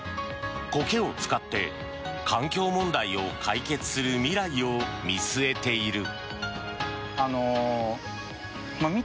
コケを使って環境問題を解決する未来を見据えている。